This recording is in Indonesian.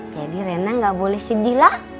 jadi rena gak boleh sedih lah